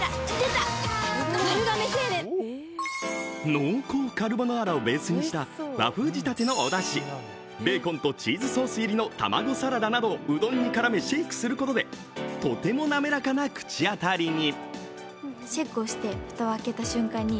濃厚カルボナーラをベースにした和風仕立てのおだしベーコンとチーズソース入りの卵サラダなどうどんに絡めシェイクすることでとても滑らかな口当たりに。